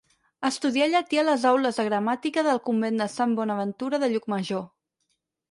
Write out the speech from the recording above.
Estudià llatí a les aules de gramàtica del Convent de Sant Bonaventura de Llucmajor.